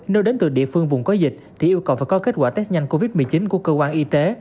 nếu đến từ địa phương vùng có dịch thì yêu cầu phải có kết quả test nhanh covid một mươi chín của cơ quan y tế